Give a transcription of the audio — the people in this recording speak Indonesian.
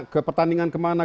ke pertandingan kemana